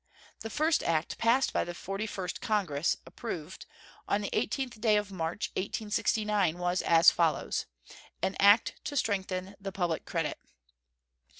The first act passed by the Forty first Congress, [approved] on the 18th day of March, 1869, was as follows: AN ACT to strengthen the public credit.